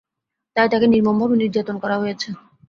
তাই তাকে নির্মমভাবে নির্যাতন করা হয়েছে।